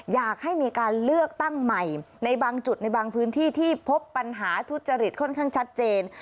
อยากให้มีการเลือกตั้งใหม่ในบางจุดในบางพื้นที่ที่พบปัญหาทุจริตค่อนข้างชัดเจน